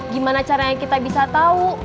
gimana caranya kita bisa tahu